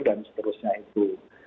dan seterusnya itu